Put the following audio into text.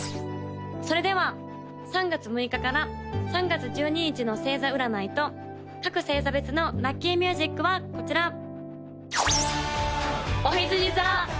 それでは３月６日から３月１２日の星座占いと各星座別のラッキーミュージックはこちら！